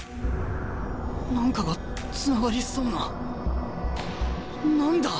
何かがつながりそうな何だ！？